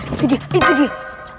itu dia itu dia